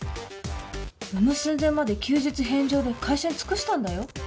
産む寸前まで休日返上で会社に尽くしたんだよ？